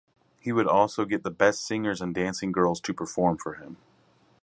He would also get the best singers and dancing girls to perform for him.